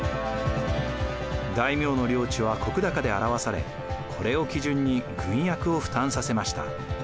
大名の領地は石高で表されこれを基準に軍役を負担させました。